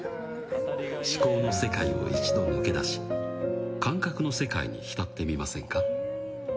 思考の世界を一度抜け出し感覚の世界に浸ってみませんか？